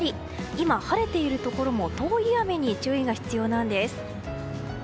今、晴れているところも通り雨に注意が必要なんです。